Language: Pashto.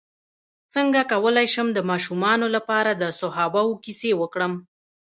څنګه کولی شم د ماشومانو لپاره د صحابه وو کیسې وکړم